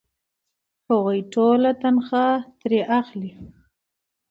هغوی ټوله تنخوا ترې اخلي.